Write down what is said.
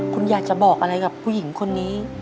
คุณอยากจะบอกอะไรกับผู้หญิงคนนี้